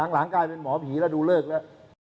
หลังกลายเป็นหมอผีแล้วดูเลิกแล้ว